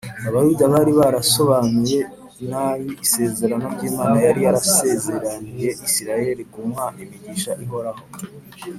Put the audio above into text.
Abayuda bari barasobanuye nabi isezerano ry’Imana yari yarasezeraniye Isiraheli kumuha imigisha ihoraho :